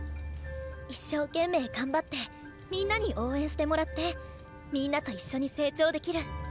一生懸命頑張ってみんなに応援してもらってみんなと一緒に成長できる。